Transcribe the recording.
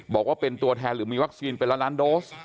บอกว่าเป็นตัวแทนหรือมีวัคซีนเป็นล้านล้านโดส